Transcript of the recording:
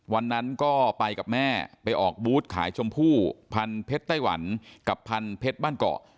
วันนั้นก็ไปกับแม่ไปออกบูธขายชมพู่พันเพชรไต้หวันกับพันเพชรบ้านเกาะ